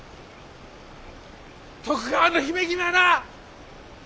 徳川の姫君はな